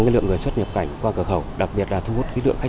nhưng cũng giúp những cán bộ chiến sĩ ở bộ phận